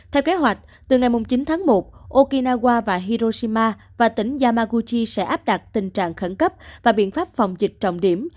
theo kế hoạch từ ngày chín tháng một okinawa và hiroshima và tỉnh yamaguchi sẽ áp đặt tình trạng khẩn cấp và biện pháp phòng dịch trọng điểm